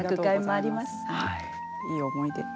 いい思い出。